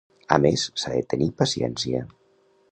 A més, s'ha de tenir paciència.